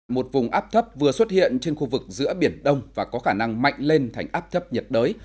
một vùng áp thấp vừa xuất hiện trên khu vực giữa biển đông và có khả năng mạnh lên thành áp thấp nhiệt đới